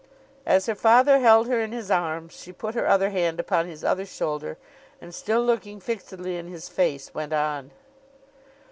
As her father held her in his arms, she put her other hand upon his other shoulder, and still looking fixedly in his face, went on.